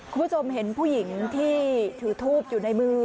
คุณผู้ชมเห็นผู้หญิงที่ถือทูบอยู่ในมือ